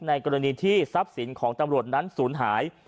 กรณีที่ทรัพย์สินของตำรวจนั้นศูนย์หาย